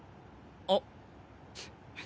あっ。